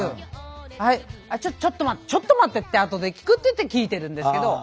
はいちょっと待ってちょっと待って後で聞くって言って聞いてるんですけど。